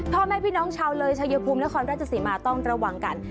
พ่อแม่พี่น้องชาวเลยชายภูมิและคอนรัฐศิริมาต้องระวังกัน